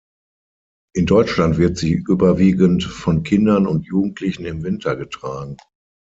In Deutschland wird sie überwiegend von Kindern und Jugendlichen im Winter getragen.